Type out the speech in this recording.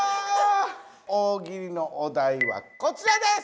大喜利のお題はこちらです！